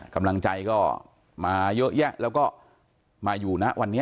กำลังใจก็มาเยอะแยะแล้วก็มาอยู่นะวันนี้